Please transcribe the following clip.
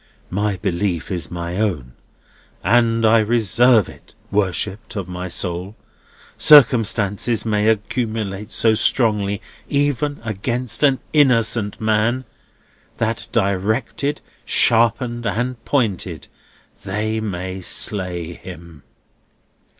"My belief is my own; and I reserve it, worshipped of my soul! Circumstances may accumulate so strongly even against an innocent man, that directed, sharpened, and pointed, they may slay him.